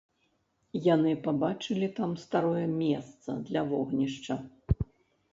Яны пабачылі там старое месца для вогнішча.